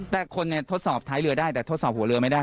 แต่คนเนี่ยทดสอบท้ายเรือได้แต่ทดสอบหัวเรือไม่ได้